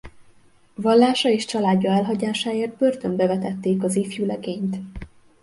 Vallása és családja elhagyásáért börtönbe vetették az ifjú legényt.